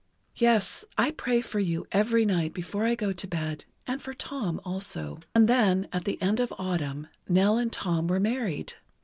Yes, I pray for you every night before I go to bed, and for Tom also. And then, at the end of autumn, Nell and Tom were married.